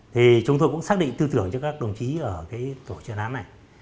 thì chúng tôi cũng xác định tư tưởng cho các đồng chí ở cái tổ chuyên án này